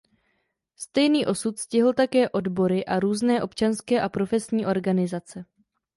Stejný osud stihl také odbory a různé občanské a profesní organizace.